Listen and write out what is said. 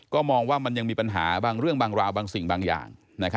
ก็มองว่ามันยังมีปัญหาบางเรื่องบางราวบางสิ่งบางอย่าง